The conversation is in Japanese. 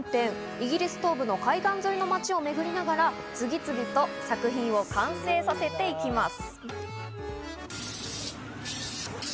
イギリス東部の海岸沿いの街をめぐりながら、次々と作品を完成させていきます。